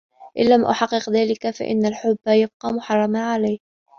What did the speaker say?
إن لم أحقّق ذلك، فإنّ الحبّ يبقى محرّما عليّ.